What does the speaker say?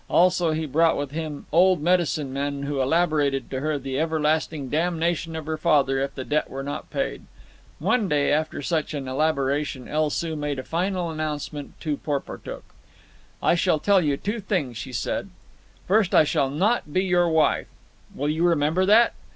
Also, he brought with him old medicine men, who elaborated to her the everlasting damnation of her father if the debt were not paid. One day, after such an elaboration, El Soo made final announcement to Porportuk. "I shall tell you two things," she said. "First I shall not be your wife. Will you remember that?